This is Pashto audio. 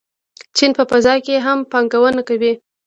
چین په فضا کې هم پانګونه کوي.